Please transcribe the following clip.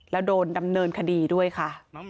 แล้วโดนดำเนินคดีด้วยค่ะ